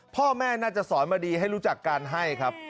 พ่อแม่น่าจะสอนมาดีให้รู้จักการให้ครับ